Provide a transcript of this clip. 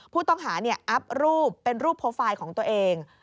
ผู้ต้องหาอัพรูปเป็นรูปโปรไฟล์ของตัวเอง